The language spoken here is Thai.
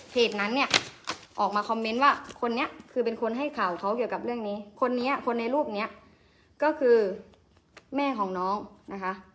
นั้นเนี่ยออกมาคอมเมนต์ว่าคนนี้คือเป็นคนให้ข่าวเขาเกี่ยวกับเรื่องนี้คนนี้คนในรูปนี้ก็คือแม่ของน้องนะคะ